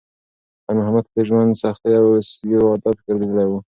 خیر محمد ته د ژوند سختۍ اوس یو عادت ګرځېدلی و.